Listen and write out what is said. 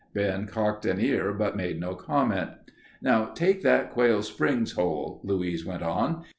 Ben cocked an ear, but made no comment. "Now take that Quail Springs hole," Louise went on.